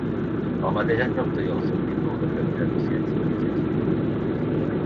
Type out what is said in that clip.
El mateix any va obtenir el seu títol de candidat de ciències en Ciències Biològiques.